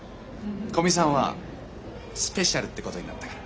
古見さんはスペシャルってことになったから。